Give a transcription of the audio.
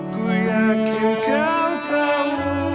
ku yakin kau tahu